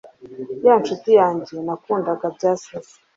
ya nshuti yanjye nakundaga byasaze